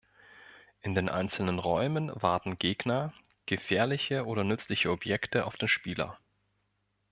In den einzelnen Räumen warten Gegner, gefährliche oder nützliche Objekte auf den Spieler.